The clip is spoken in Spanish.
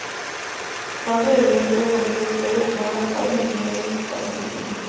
Parte del elenco es Danilo Esteves, Mayra Jaime y Nelly Pazmiño.